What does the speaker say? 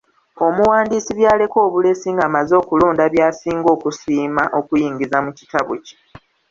Omuwandiisi by'aleka obulesi ng'amaze okulonda by'asinga okusiima okuyingiza mu kitabo kye.